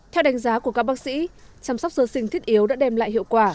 theo đánh giá của các bác sĩ chăm sóc sơ sinh thiết yếu đã đem lại hiệu quả